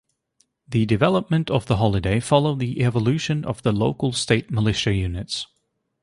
The development of the holiday followed the evolution of the local state militia units.